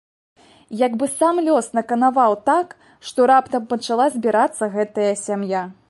Як бы сам лёс наканаваў так, што раптам пачала збірацца гэтая сям'я.